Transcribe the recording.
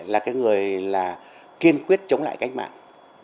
là người kiên quyết chống lại cách mạng